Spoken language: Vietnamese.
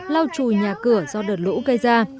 lau chùi nhà cửa do đợt lũ gây ra